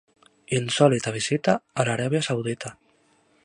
Insòlita visita a l'Aràbia Saudita.